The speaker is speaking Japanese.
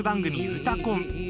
「うたコン」。